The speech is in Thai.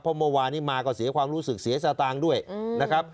เพราะเมื่อวานนี้มาก็เสียความรู้สึกเสียสตางค์ด้วยนะครับ